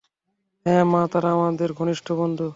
হ্যাঁঁ মা, তারা আমাদের ঘনিষ্ঠ বন্ধু।